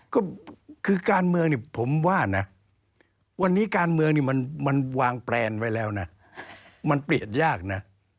ก็คือการเมืองนี่ผมว่านะวันนี้การเมืองนี่มันวางแปลนไว้แล้วนะมันเปลี่ยนยากนะ